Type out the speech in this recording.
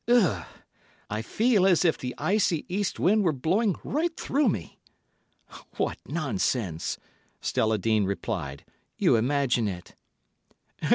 Eugh! I feel as if the icy east wind were blowing right through me." "What nonsense!" Stella Dean replied; "you imagine it."